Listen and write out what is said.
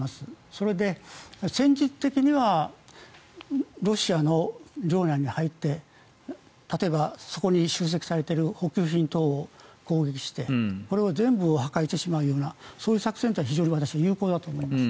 それで、戦術的にはロシアの領内に入って例えばそこに集積されている補給品等を攻撃してこれを全部破壊してしまうような作戦は私は有効だと思います。